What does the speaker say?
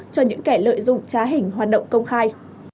cho những kẻ lợi dụng trá hình hoạt động công khai